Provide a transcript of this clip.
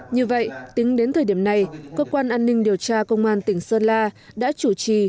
như vậy tính đến thời điểm này cơ quan an ninh điều tra công an tỉnh sơn la đã chủ trì